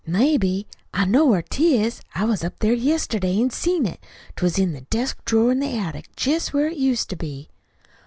"Maybe. I know where 'tis. I was up there yesterday an' see it. 'T was in the desk drawer in the attic, jest where it used to be."